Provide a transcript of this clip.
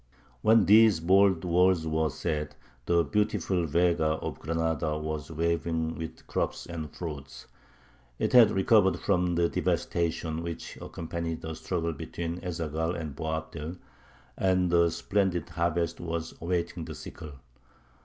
When these bold words were said, the beautiful Vega of Granada was waving with crops and fruit; it had recovered from the devastations which accompanied the struggle between Ez Zaghal and Boabdil, and a splendid harvest was awaiting the sickle.